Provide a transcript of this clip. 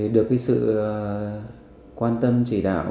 được sự quan tâm chỉ đạo